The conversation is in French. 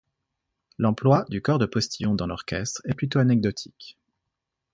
L'emploi du cor de postillon dans l'orchestre est plutôt anecdotique.